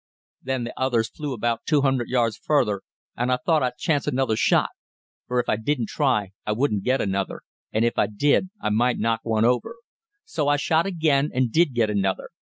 Then the others flew out about two hundred yards farther, and I thought I'd chance another shot; for if I didn't try I wouldn't get another, and if I did I might knock one over. So I shot again and did get another.